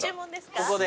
ここで？